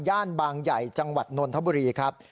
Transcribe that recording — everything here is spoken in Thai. บางใหญ่จังหวัดนนทบุรีครับ